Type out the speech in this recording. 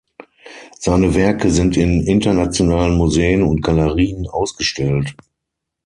Seine Werke sind in internationalen Museen und Galerien ausgestellt.